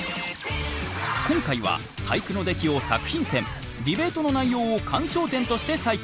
今回は俳句の出来を作品点ディベートの内容を鑑賞点として採点。